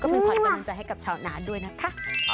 เป็นขวัญกำลังใจให้กับชาวนานด้วยนะคะ